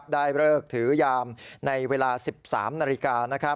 ได้เลิกถือยามในเวลา๑๓นาฬิกา